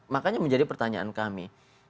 makanya menjadi pertanyaan kami